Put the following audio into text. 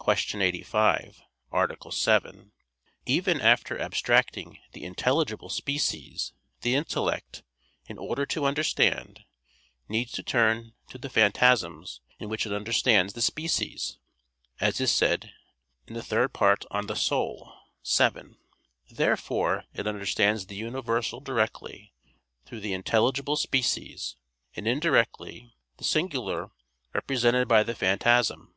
85, A. 7), even after abstracting the intelligible species, the intellect, in order to understand, needs to turn to the phantasms in which it understands the species, as is said De Anima iii, 7. Therefore it understands the universal directly through the intelligible species, and indirectly the singular represented by the phantasm.